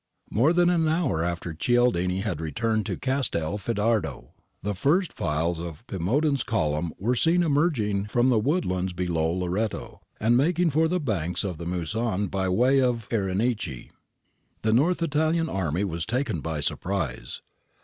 More than an hour after Cialdini had returned to Castelfidardo, the first files of Pimodan's column were seen emerging from the woodlands below Loreto, and making for the banks of the Musone by way of Arenici. The North Italian army was taken by surprise.